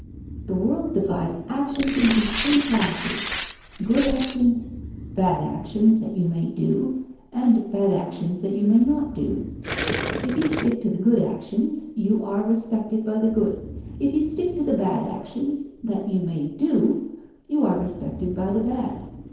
The world divides actions into three classes: good actions, bad actions that you may do, and bad actions that you may not do. If you stick to the good actions, you are respected by the good. If you stick to the bad actions that you may do, you are respected by the bad.